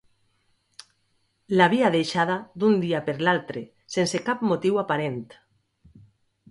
L'havia deixada d'un dia per l'altre, sense cap motiu aparent.